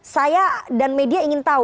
saya dan media ingin tahu